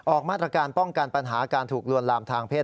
ออกมาตรการป้องกันปัญหาการถูกลวนลามทางเพศ